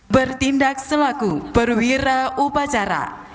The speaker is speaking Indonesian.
bertindak selaku perwira upacara